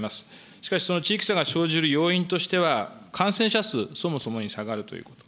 しかし、その地域差が生じる要因としては、感染者数、そもそもに下がるということ。